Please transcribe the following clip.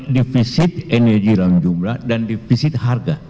divisit energi dalam jumlah dan divisit harga